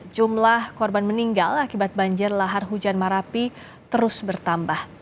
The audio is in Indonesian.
jumlah korban meninggal akibat banjir lahar hujan marapi terus bertambah